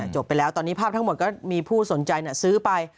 จบไปแล้วตอนนี้ภาพทั้งหมดก็มีผู้สนใจซื้อไป